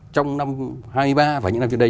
trong năm hai nghìn hai mươi ba và những năm trước đây